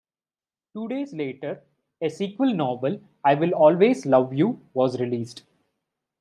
Two days later, a sequel novel, "I Will Always Love You" was released.